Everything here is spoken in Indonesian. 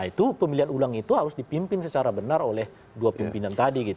nah itu pemilihan ulang itu harus dipimpin secara benar oleh dua pimpinan tadi